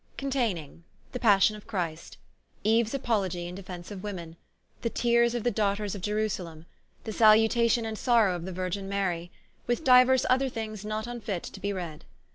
Containing, 1 The passion of Christ. 2 Eues Apologie in defence of Women. 3 The Teares of the Daughters of Ierusalem. 4 The Salutation and Sorrow of the Virgine Marie. With diuers other things not vnfit to be read.